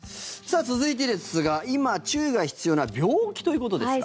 続いてですが今、注意が必要な病気ということですが。